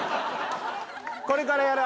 これからやる。